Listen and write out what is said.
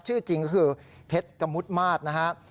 ชื่อจริงคือพรรดิกมุษธมาตรนะครับ